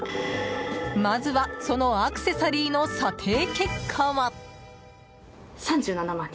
まずは、そのアクセサリーの査定結果は。